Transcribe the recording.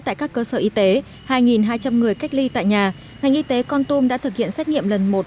tại các cơ sở y tế hai hai trăm linh người cách ly tại nhà ngành y tế con tum đã thực hiện xét nghiệm lần một